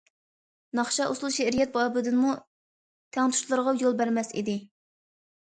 ناخشا- ئۇسۇل، شېئىرىيەت بابىدىمۇ تەڭتۇشلىرىغا يول بەرمەس ئىدى.